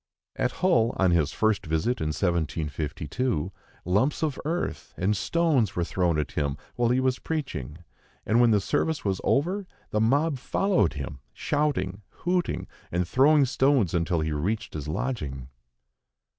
At Hull, on his first visit in 1752, lumps of earth and stones were thrown at him while he was preaching; and when the service was over, the mob followed him, shouting, hooting, and throwing stones until he reached his lodging.